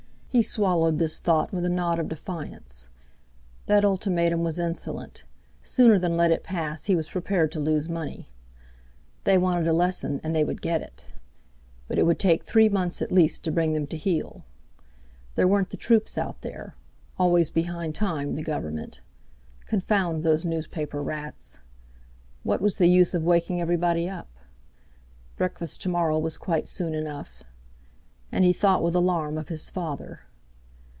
He swallowed this thought with a nod of defiance. That ultimatum was insolent—sooner than let it pass he was prepared to lose money. They wanted a lesson, and they would get it; but it would take three months at least to bring them to heel. There weren't the troops out there; always behind time, the Government! Confound those newspaper rats! What was the use of waking everybody up? Breakfast to morrow was quite soon enough. And he thought with alarm of his father.